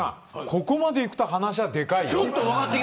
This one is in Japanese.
ここまでいくと話はでかいよ。